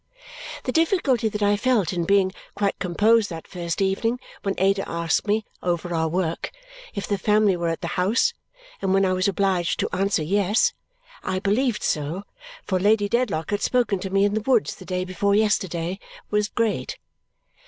The difficulty that I felt in being quite composed that first evening when Ada asked me, over our work, if the family were at the house, and when I was obliged to answer yes, I believed so, for Lady Dedlock had spoken to me in the woods the day before yesterday, was great.